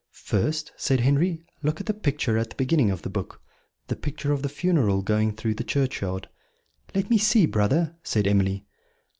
"First," said Henry, "look at the picture at the beginning of the book the picture of the funeral going through the churchyard." "Let me see, brother," said Emily.